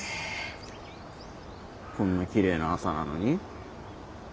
こんなきれいな朝なのに？